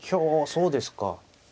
そうですか。